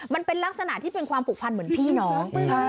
มันเป็นลักษณะที่เป็นความผูกพันเหมือนพี่น้อง